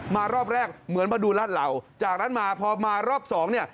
รอบแรกเหมือนมาดูลาดเหล่าจากนั้นมาพอมารอบสองเนี่ย